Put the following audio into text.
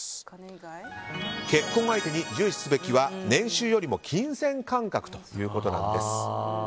結婚相手に重視すべきは年収よりも金銭感覚ということなんです。